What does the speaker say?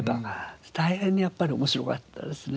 大変にやっぱり面白かったですね。